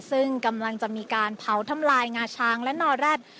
ซึ่งกำลังจะมีการเผาทำลายงาช้างและนอแร็ด